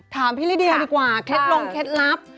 ถามพี่ลิเดียดีกว่าเคล็ดลงเคล็ดลับ